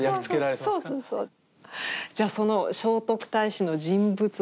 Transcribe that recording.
じゃあその聖徳太子の人物像をですね